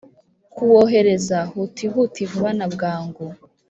kuwohereza huti huti vuba na bwangu